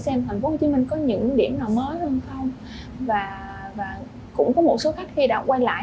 xem tp hcm có những điểm nào mới hơn không và cũng có một số khách khi đã quay lại